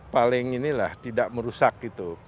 paling inilah tidak merusak gitu